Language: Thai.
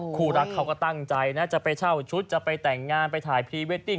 คู่รักเขาก็ตั้งใจนะจะไปเช่าชุดจะไปแต่งงานไปถ่ายพรีเวดดิ้ง